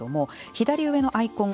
左上のアイコン